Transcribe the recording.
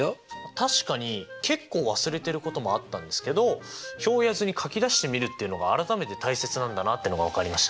確かに結構忘れてることもあったんですけど表や図に書き出してみるっていうのが改めて大切なんだなってのが分かりましたね。